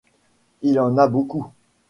Il en a beaucoup.